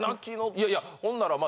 いやいやほんならまあ